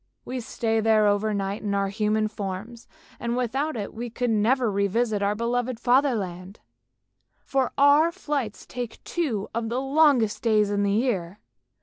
We stay there over night in our human forms, and without it we could never revisit our beloved Fatherland, for our flight takes two of the longest days in the year.